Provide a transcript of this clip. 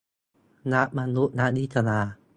นักมานุษยวิทยา